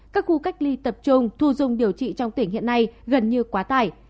các khu cách ly tập trung thu dung điều trị trong tỉnh hiện nay gần như quá tải